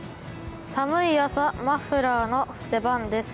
寒い朝、マフラーの出番です。